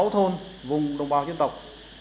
sáu thôn vùng đồng bào dân tộc